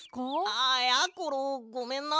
ああやころごめんな。